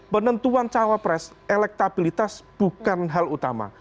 penentuan cawapres elektabilitas bukan hal utama